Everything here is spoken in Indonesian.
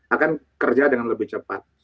akan kerja dengan lebih cepat